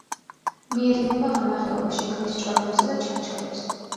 მიედინება ღრმა ხეობაში, ქმნის ჭორომებსა და ჩანჩქერებს.